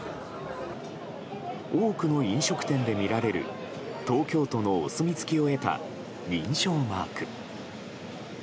多くの飲食店で見られる東京都のお墨付きを得た認証マーク。